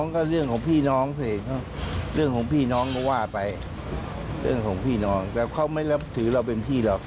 เกี่ยวกันเราไปเกี่ยวอะไรกัน